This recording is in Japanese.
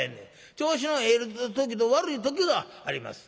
調子のええ時と悪い時があります。